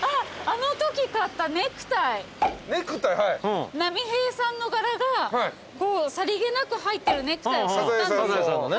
あのとき買ったネクタイ波平さんの柄がさりげなく入ってるネクタイを買ったんですよ。